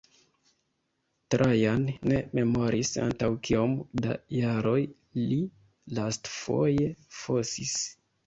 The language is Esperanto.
Trajan ne memoris antaŭ kiom da jaroj li lastfoje fosis.